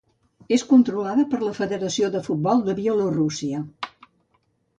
És controlada per la Federació de Futbol de Bielorússia.